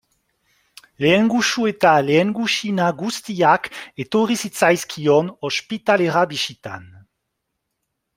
Lehengusu eta lehengusina guztiak etorri zitzaizkion ospitalera bisitan.